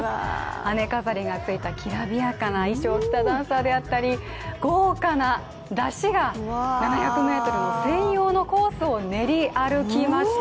羽飾りが付いたきらびやかな衣装を着たダンサーであったり豪華な山車が７００ｍの専用のコースを練り歩きました。